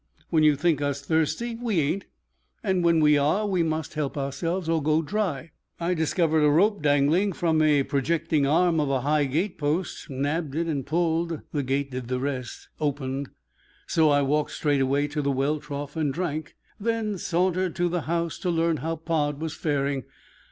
When you think us thirsty we ain't, and when we are we must help ourselves, or go dry. I discovered a rope dangling from a projecting arm of a high gatepost, nabbed it, and pulled; the gate did the rest opened. So I walked straightway to the well trough and drank, then sauntered to the house to learn how Pod was faring.